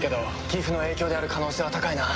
ギフの影響である可能性は高いな。